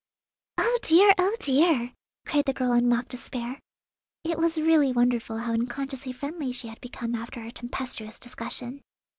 "Oh, dear, oh, dear!" cried the girl in mock despair. It was really wonderful how unconsciously friendly she had become after our tempestuous discussion.